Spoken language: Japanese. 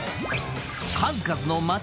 数々の街